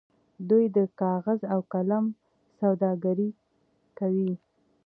دوی د کاغذ او قلم سوداګري کوي.